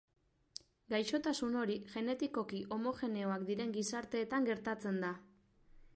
Gaixotasun hori genetikoki homogeneoak diren gizarteetan gertatzen da.